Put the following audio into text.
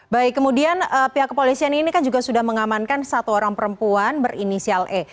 baik kemudian pihak kepolisian ini kan juga sudah mengamankan satu orang perempuan berinisial e